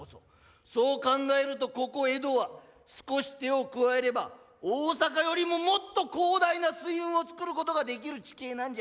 そう考えるとここ江戸は少し手を加えれば大坂よりももっと広大な水運をつくることができる地形なんじゃ。